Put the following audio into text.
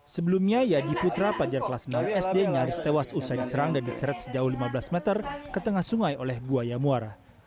sebelumnya yadi putra pelajar kelas sd nyaris tewas usai diserang dan diseret sejauh lima belas meter ke tengah sungai oleh buaya muara